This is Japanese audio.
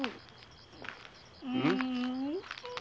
うん。